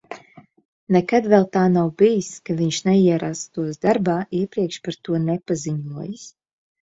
Nekad vēl tā nav bijis, ka viņš neierastos darbā, iepriekš par to nepaziņojis.